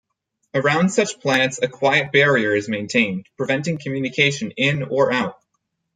Around such planets a Quiet Barrier is maintained, preventing communication in or out.